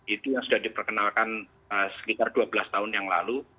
itu yang sudah diperkenalkan sekitar dua belas tahun yang lalu